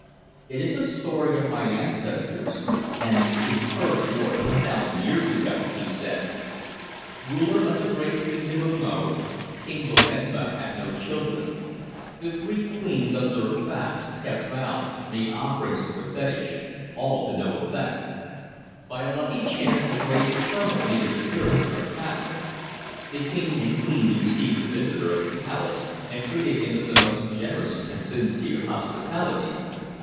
"It is a story of my ancestors, and it occurred more than a thousand years ago," he said. "Ruler of the great kingdom of Mo, King Lobenba had no children. The three queens observed fasts, kept vows, made offerings to the fetish, all to no effect. By a lucky chance a great hermit made his appearance in our capital. The King and queens received the visitor at the palace, and treated him with the most generous and sincere hospitality.